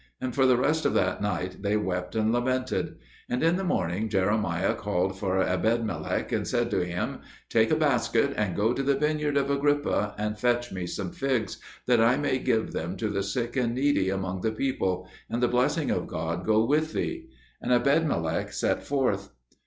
And for the rest of that night they wept and lamented; and in the morning Jeremiah called for Ebedmelech and said to him, "Take a basket and go to the vineyard of Agrippa, and fetch me some figs, that I may give them to the sick and needy among the people; and the blessing of God go with thee." And Ebedmelech set forth.